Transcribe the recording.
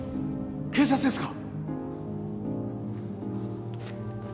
警察ですか？